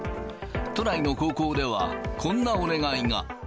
都内の高校では、こんなお願いが。